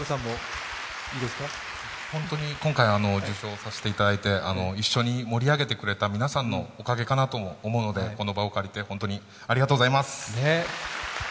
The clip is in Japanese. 今回、受賞させていただいて、一緒に盛り上げてくれた皆さんのおかげかなとも思うのでこの場を借りて本当にありがとうございます。